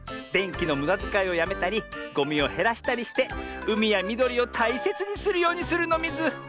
でんきのむだづかいをやめたりゴミをへらしたりしてうみやみどりをたいせつにするようにするのミズ。